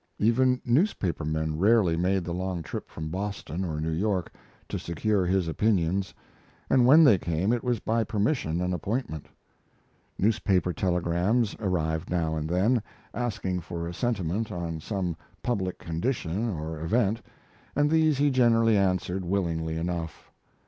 Even newspaper men rarely made the long trip from Boston or New York to secure his opinions, and when they came it was by permission and appointment. Newspaper telegrams arrived now and then, asking for a sentiment on some public condition or event, and these he generally answered willingly enough.